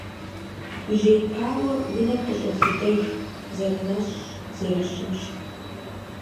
Гужьеипауэ, унэм къыщӀолъэдэж, зэрынэщӀщ, зэрыщымщ…